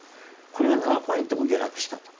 これが７ポイントも下落したと。